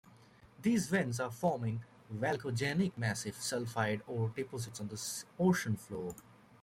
These vents are forming volcanogenic massive sulfide ore deposits on the ocean floor.